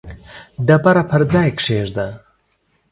ډبره پر ځای کښېږده.